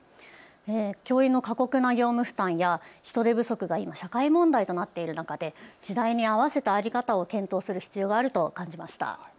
教員の過酷な業務負担や人手不足が今、社会問題になっている中で時代に合わせた在り方を検討する必要があると感じました。